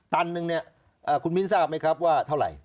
ตันหนึ่งเนี่ยคุณมิ้นทราบไหมครับว่าเท่าไหร่